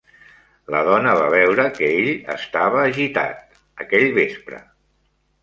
La dona va veure que ell estava agitat, aquell vespre.